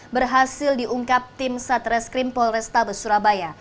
berhasil diungkap tim satreskrim polresta besurabaya